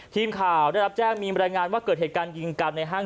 ทีมข่าวได้รับแจ้งมีบรรยายงานว่าเกิดเหตุการณ์ยิงกันในห้าง